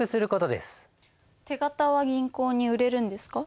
手形は銀行に売れるんですか？